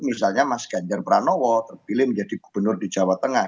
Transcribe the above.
misalnya mas ganjar pranowo terpilih menjadi gubernur di jawa tengah